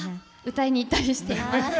歌いに行ったりしてます。